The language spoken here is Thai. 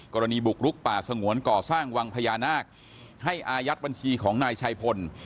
กรณีบุกลุกป่าสงวนก่อสร้างวังพญานาคให้อายัดบัญชีของนายชัยพล